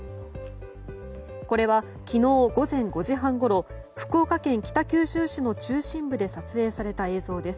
これは昨日午前５時半ごろ福岡県北九州市の中心部で撮影された映像です。